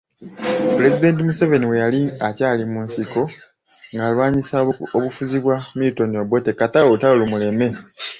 Pulezidenti Museveni bwe yali akyali mu nsiko ng'alwanyisa obufuzi bwa Milton Obote kata olutalo lumuleme.